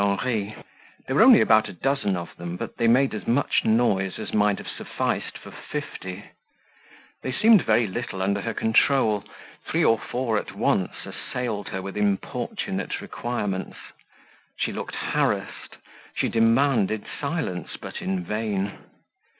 Henri; there were only about a dozen of them, but they made as much noise as might have sufficed for fifty; they seemed very little under her control; three or four at once assailed her with importunate requirements; she looked harassed, she demanded silence, but in vain.